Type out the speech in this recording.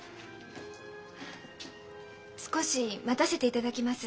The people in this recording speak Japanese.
少し待たせていただきます。